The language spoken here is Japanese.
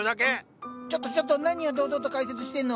ちょっとちょっと何を堂々と解説してんの。